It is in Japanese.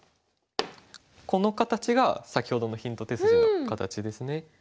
この形が先ほどのヒント手筋の形ですね。